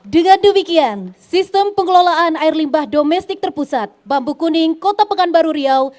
dengan demikian sistem pengelolaan air limbah domestik terpusat bambu kuning kota pekanbaru riau